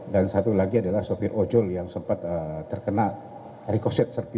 dan satu lagi adalah sopir ojol yang sempat terkena rekoset serpihan tembak